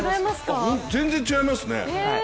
全然違いますね。